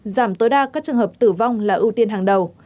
giảm tối đa các trường hợp tử vong là ưu tiên hàng đầu